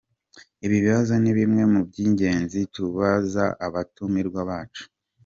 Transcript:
Ibi bibazo ni bimwe mu by’ingenzi tubaza abatumirwa bacu.